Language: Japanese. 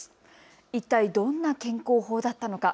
一体どんな健康法だったのか。